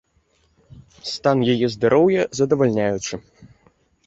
Стан яе здароўя здавальняючы.